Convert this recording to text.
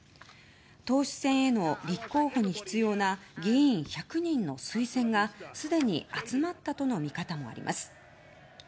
党首選への立候補に必要な議員１００人の推薦がすでに集まったとの見方もあります。